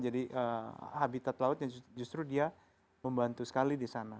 jadi habitat lautnya justru dia membantu sekali di sana